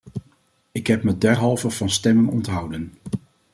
Ik heb me derhalve van stemming onthouden.